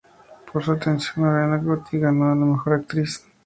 Por su actuación Ornella Muti ganó una a la Mejor Actriz.